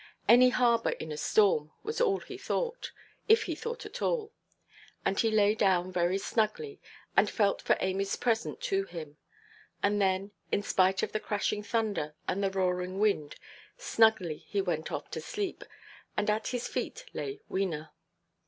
"Any harbour in a storm," was all he thought, if he thought at all; and he lay down very snugly, and felt for Amyʼs present to him, and then, in spite of the crashing thunder and the roaring wind, snugly he went off to sleep; and at his feet lay Wena.